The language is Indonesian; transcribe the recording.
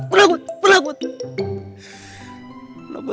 pelagut pelagut pelagut